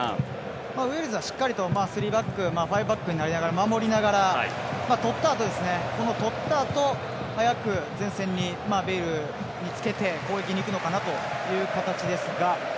ウェールズはしっかりとスリーバックファイブバックになりながら守りながら、とったあと早く前線に、ベイルを見つけて攻撃にいくのかなという形です。